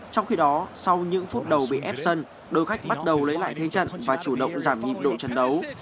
trong khi đó sau những phút đầu bị ép sân đôi khách bắt đầu lấy lại thế trận và chủ động giảm nhịp độ trận đấu